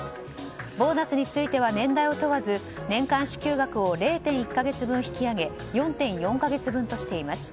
ボーナスについては年代を問わず年間支給額を０．１か月分引き上げ４．４か月分としています。